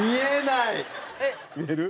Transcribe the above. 見える？